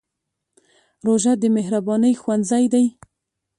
روژه د مهربانۍ ښوونځی دی.